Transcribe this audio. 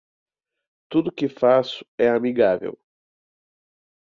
Tudo que faço é amigável.